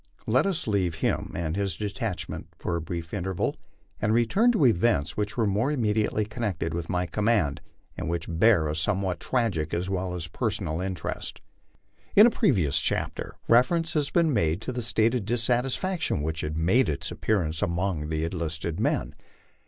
Let us leave him and his detachment for a brief interval, and return to events which were more immediately connected with my command, and which oear a somewhat tragic as well as personal interest. In a previous chapter reference has been made to the state of dissatisfac tion which had made its appearance among the enlisted men.